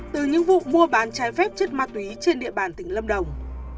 từ những vụ mua bán trái phép chất ma túy trên địa bàn tỉnh lâm đồng